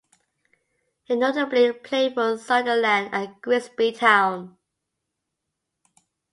He notably played for Sunderland and Grimsby Town.